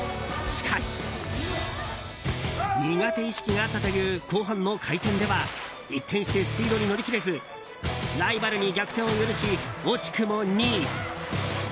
しかし、苦手意識があったという後半の回転では一転してスピードに乗り切れずライバルに逆転を許し惜しくも２位。